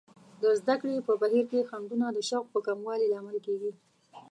د زده کړې په بهیر کې خنډونه د شوق په کموالي لامل کیږي.